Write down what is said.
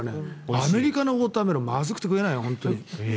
アメリカのウォーターメロンまずくて食えないよ。